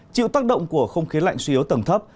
chịu tác động của không khí lạnh suy yếu tầng thấp